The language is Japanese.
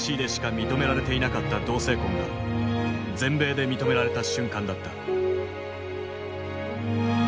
認められていなかった同性婚が全米で認められた瞬間だった。